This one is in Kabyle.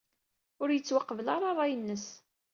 Ur yettwaqbel ara ṛṛay-nnes.